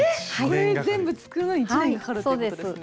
これ全部作るのに１年かかるっていうことですね。